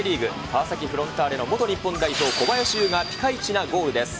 川崎フロンターレの元日本代表、小林悠がピカイチなゴールです。